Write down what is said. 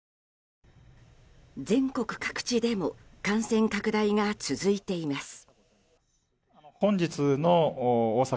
全国各地でも感染拡大が続いています。